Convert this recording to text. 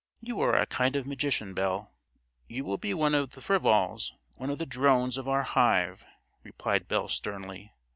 You are a kind of magician, Belle." "You will be one of the frivols; one of the drones of our hive," replied Belle sternly.